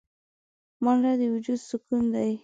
منډه د وجود سکون دی